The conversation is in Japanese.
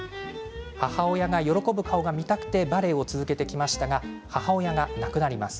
母親が喜ぶ顔が見たくてバレエを続けてきましたが母親が亡くなります。